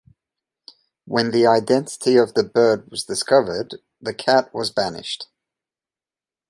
When the identity of the bird was discovered, the cat was banished.